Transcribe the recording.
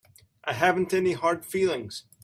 I haven't any hard feelings.